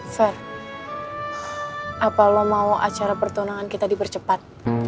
fer apa lo mau acara pertunangan kita dipercepat